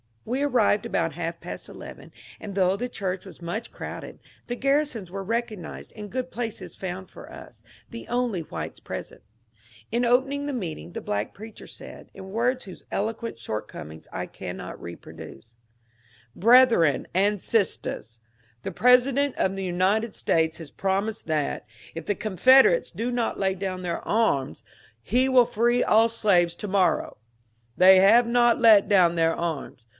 We arrived about half past eleven, and though the church was much crowded, the Grarrisons were recognized and good places found for us, — the only whites present, la opening the meeting the black preacher said, in words whose eloquent shortcom ings I cannot reproduce :^^ Brethren and sisters, the President of the United States has promised that, if the Confederates do not lay down their arms, he will free all their slaves to morrow. They have not laid down their arms.